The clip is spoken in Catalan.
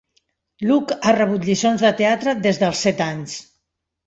Luck ha rebut lliçons de teatre des dels set anys.